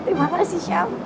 terima kasih chef